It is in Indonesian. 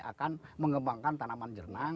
akan mengembangkan tanaman jernang